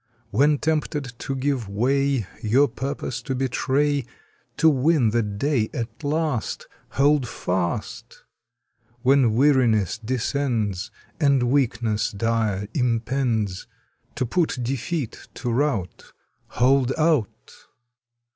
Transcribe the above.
When tempted to give way, Your purpose to betray, To win the day at last HOLD FAST! When weariness descends, And weakness dire impends, To put Defeat to rout HOLD OUT!